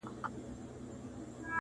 د میني ترانې وایی پخپل لطیفه ژبه,